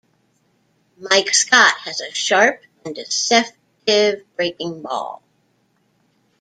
Mike Scott has a sharp and deceptive breaking ball.